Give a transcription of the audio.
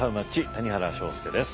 谷原章介です。